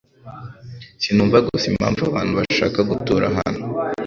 Sinumva gusa impamvu abantu bashaka gutura hano.